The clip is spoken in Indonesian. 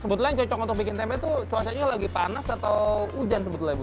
sebetulnya yang cocok untuk bikin tempe itu cuacanya lagi panas atau hujan sebetulnya bu